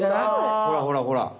ほらほらほら！